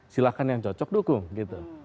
silahkan yang cocok dukung